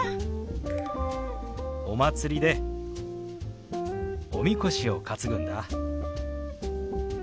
お祭りでおみこしを担ぐんだ。